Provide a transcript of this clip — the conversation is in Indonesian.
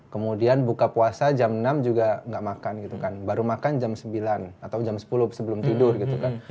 kemudian buka puasa jam enam juga nggak makan gitu kan baru makan jam sembilan atau jam sepuluh sebelum tidur gitu kan